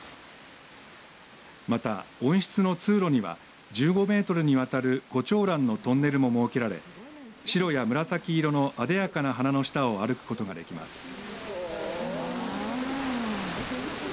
また、温室の通路には１５メートルにわたるコチョウランのトンネルも設けられ白や紫色のあでやかな花の下を歩くことができます。